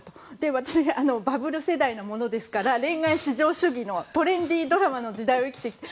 私、バブル世代なものですから恋愛至上主義のトレンディードラマの時代を生きてきた。